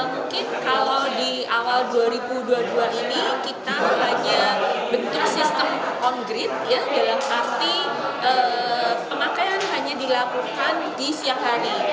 mungkin kalau di awal dua ribu dua puluh dua ini kita hanya bentuk sistem on grid dalam arti pemakaian hanya dilakukan di siang hari